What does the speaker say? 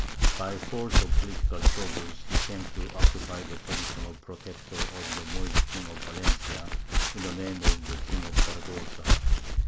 By force of political troubles he came to occupy the position of protector of the Moorish King of Valencia in the name of the King of Zaragoza.